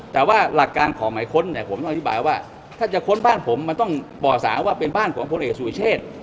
แต่ว่าหลักการขอหมายค้นเนี่ยผมต้องอธิบายว่าถ้าจะค้นบ้านผมมันต้องบ่อสาว่าเป็นบ้านของพลเอกสุเชษ